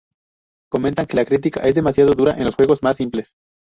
Comentan que la crítica es demasiado dura en los juegos más simples.